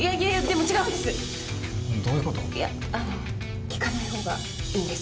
あの聞かない方がいいんです。